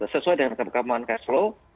sesuai dengan kebekaman cash flow